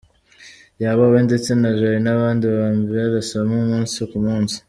Yaba we ndetse na Jolly n’abandi bambera isomo umunsi ku munsi.